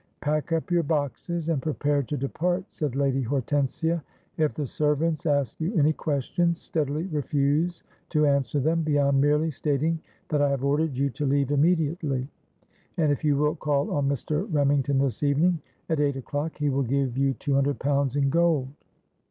—'Pack up your boxes, and prepare to depart,' said Lady Hortensia, 'If the servants ask you any questions, steadily refuse to answer them, beyond merely stating that I have ordered you to leave immediately; and if you will call on Mr. Remington this evening at eight o'clock, he will give you two hundred pounds in gold.'